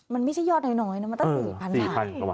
มันไม่ใช่ยอดน้อยมันต้องสื่อพันธุ์